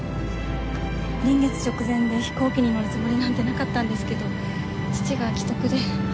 臨月直前で飛行機に乗るつもりなんてなかったんですけど父が危篤で。